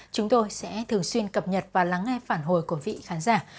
chúng tôi sẽ thường xuyên cập nhật và lắng nghe phản hồi của vị khán giả